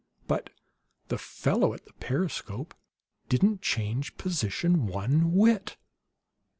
But the fellow at the periscope didn't change position one whit!